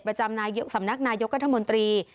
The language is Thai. ประจำสำนักนายกข้าวมนตรี